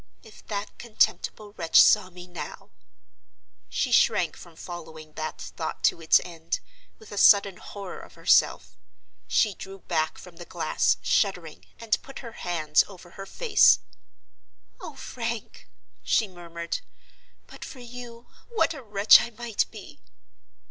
If that contemptible wretch saw me now—" She shrank from following that thought to its end, with a sudden horror of herself: she drew back from the glass, shuddering, and put her hands over her face. "Oh, Frank!" she murmured, "but for you, what a wretch I might be!"